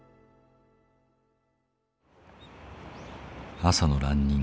朝のランニング。